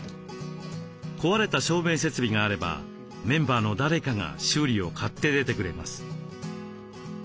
壊れた照明設備があればメンバーの誰かが修理を買って出てくれます。